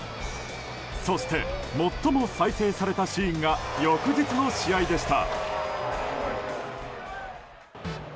そして、最も再生されたシーンが翌日の試合でした。